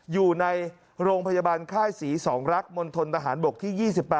อยู่ในโรงพยาบาลค่ายศรีสองรักมณฑนทหารบกที่๒๘